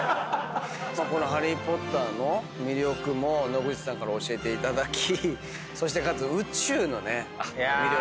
この『ハリー・ポッター』の魅力も野口さんから教えていただきそしてかつ宇宙の魅力。